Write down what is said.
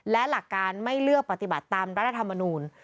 และหลักการไม่เลือกปฏิบัติตามรัฐธรรมนูล